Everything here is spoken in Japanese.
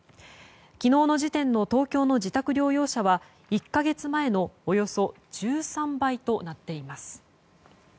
昨日の時点の東京の自宅療養者は１か月前のおよそ１３倍となっています。